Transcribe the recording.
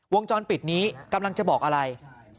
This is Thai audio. วงจรปิดนี้กำลังจะบอกอะไร